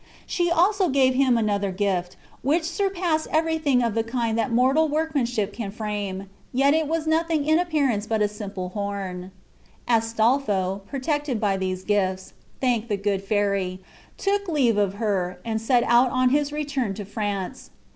She also gave him another gift, which surpassed everything of the kind that mortal workmanship can frame; yet it was nothing in appearance but a simple horn. Astolpho, protected by these gifts, thanked the good fairy, took leave of her, and set out on his return to France.